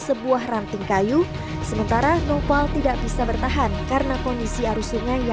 sebuah ranting kayu sementara nopal tidak bisa bertahan karena kondisi arus sungai yang